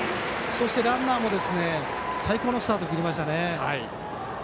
そしてランナーも最高のスタートを切りましたね。